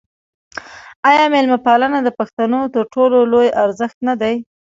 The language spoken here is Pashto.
آیا میلمه پالنه د پښتنو تر ټولو لوی ارزښت نه دی؟